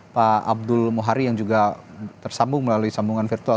pak abdul muhari yang juga tersambung melalui sambungan virtual